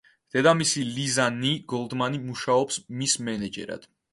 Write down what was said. დედამისი ლიზა ნი გოლდმანი მუშაობს მის მენეჯერად.